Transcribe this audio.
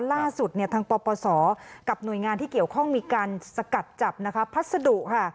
ล่าสุดทางปปศกับหน่วยงานที่เกี่ยวข้องมีการสกัดจับนะคะพัสดุค่ะ